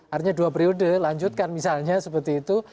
artinya dua periode lanjutkan misalnya seperti itu